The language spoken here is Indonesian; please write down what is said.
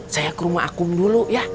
saya ke rumah akung dulu ya